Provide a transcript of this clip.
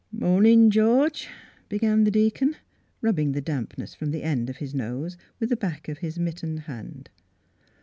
" Mornin', George," began the deacon, rubbing the dampness from the end of his nose with the back of his mittened hand.